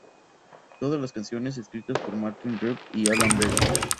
Todas las canciones escritas por Martin Rev y Alan Vega.